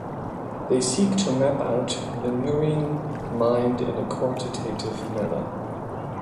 They seek to map out the murine mind in a quantitative manner.